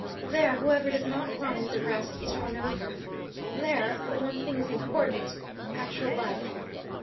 There, whoever does not run with the rest is run over; there, but one thing is important actual life.